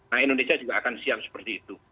nah indonesia juga akan siap seperti itu